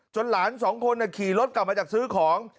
หลานสองคนขี่รถกลับมาจากซื้อของ